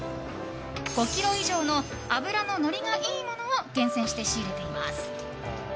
５ｋｇ以上の脂ののりがいいものを厳選して仕入れています。